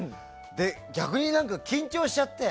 逆に緊張しちゃって。